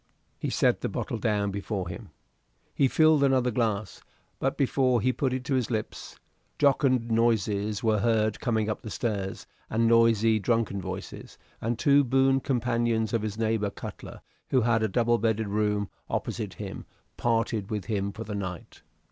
He set the bottle down before him. He filled another glass; but before he put it to his lips jocund noises were heard coming up the stairs, and noisy, drunken voices, and two boon companions of his neighbor Cutler who had a double bedded room opposite him parted with him for the night.